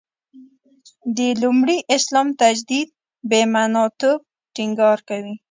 د لومړي اسلام تجدید «بې معنا» توب ټینګار کوي.